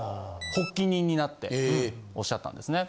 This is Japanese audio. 発起人になっておっしゃったんですね。